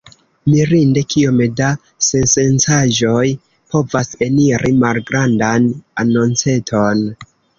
Mirinde kiom da sensencaĵoj povas eniri malgrandan anonceton.